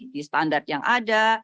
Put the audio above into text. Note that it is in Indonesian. di standar yang ada